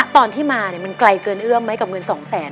ตอนที่มามันไกลเกินเอื้อมไหมกับเงิน๒แสน